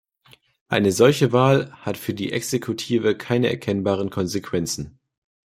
Eine solche Wahl hat für die Exekutive keine erkennbaren Konsequenzen.